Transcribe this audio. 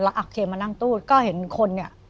แล้วอักเทียมมานั่งตู้ก็เห็นคน